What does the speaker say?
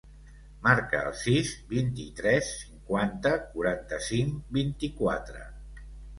Marca el sis, vint-i-tres, cinquanta, quaranta-cinc, vint-i-quatre.